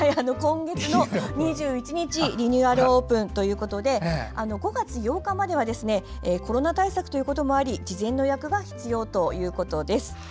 今月の２１日リニューアルオープンということで５月８日まではコロナ対策ということもあり事前の予約が必要ということです。